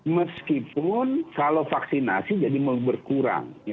meskipun kalau vaksinasi jadi berkurang